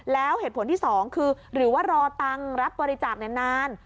แล้วเหตุผลที่๒คือหรือว่ารอตังค์รับบริจาคนาน